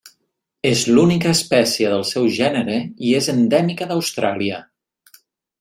És l'única espècie del seu gènere i és endèmica d'Austràlia.